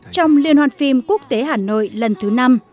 trong liên hoan phim quốc tế hà nội lần thứ năm